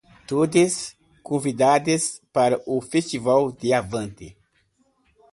Todes convidades para o festival do Avante